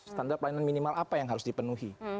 standar pelayanan minimal apa yang harus dipenuhi